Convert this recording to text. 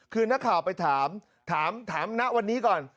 คือนักข่าวไปถามถามณวันนี้ก่อน